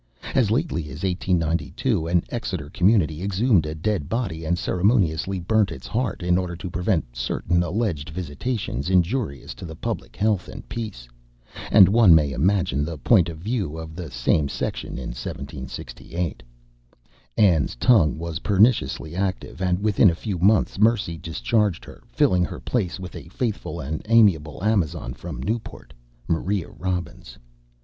As lately as 1892 an Exeter community exhumed a dead body and ceremoniously burnt its heart in order to prevent certain alleged visitations injurious to the public health and peace, and one may imagine the point of view of the same section in 1768. Ann's tongue was perniciously active, and within a few months Mercy discharged her, filling her place with a faithful and amiable Amazon from Newport, Maria Robbins.